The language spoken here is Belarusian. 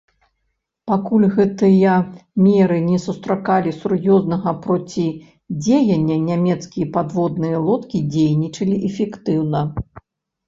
Пакуль гэтыя меры не сустракалі сур'ёзнага процідзеяння, нямецкія падводныя лодкі дзейнічалі эфектыўна.